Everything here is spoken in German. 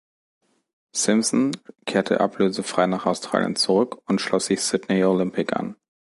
Simpson kehrte ablösefrei nach Australien zurück und schloss sich Sydney Olympic an.